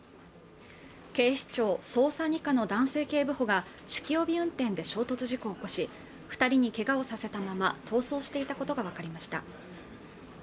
警視庁捜査２課の男性警部補が酒気帯び運転で衝突事故を起こし二人にけがをさせたまま逃走していたことが分かりました